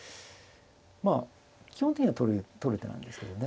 まあ基本的には取る手なんですけどね。